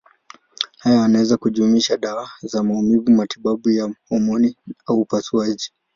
Haya yanaweza kujumuisha dawa za maumivu, matibabu ya homoni au upasuaji.